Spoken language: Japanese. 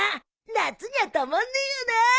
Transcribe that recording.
夏にはたまんねえよなぁ。